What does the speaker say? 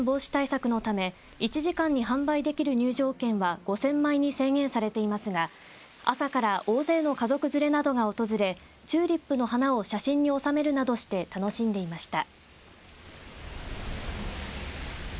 新型コロナウイルスの感染防止対策のため１時間に販売できる入場券は５０００枚に制限されていますが朝から大勢の家族連れなどが訪れチューリップの花を写真に収めるなどして楽しんでいました。